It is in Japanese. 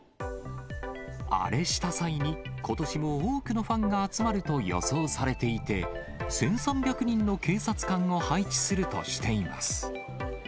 アレした際にことしも多くのファンが集まると予想されていて、１３００人の警察官を配置するとしています。